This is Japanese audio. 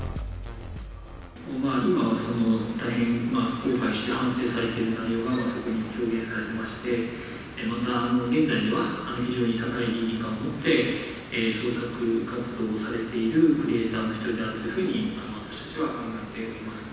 今は大変後悔し、反省されている内容が表現されていまして、また、現在では非常に高い倫理観を持って創作活動をされているクリエーターの一人であるというふうに私たちは考えています。